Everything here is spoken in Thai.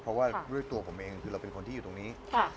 เพราะว่าด้วยตัวผมเองคือเราเป็นคนที่อยู่ตรงนี้